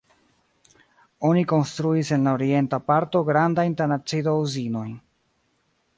Oni konstruis en la orienta parto grandajn tanacido-uzinojn.